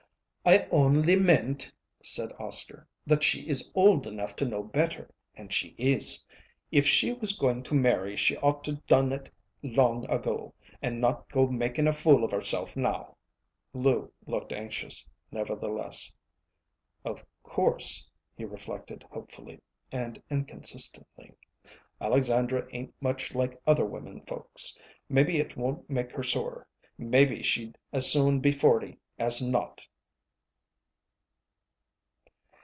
"I only meant," said Oscar, "that she is old enough to know better, and she is. If she was going to marry, she ought to done it long ago, and not go making a fool of herself now." Lou looked anxious, nevertheless. "Of course," he reflected hopefully and inconsistently, "Alexandra ain't much like other women folks. Maybe it won't make her sore. Maybe she'd as soon be forty as not!"